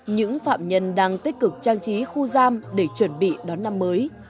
những phạm nhân đang tích cực trang trí khu giam để chuẩn bị đón năm mới